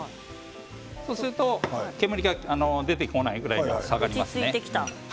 そうすると煙が出てこないぐらい下がります。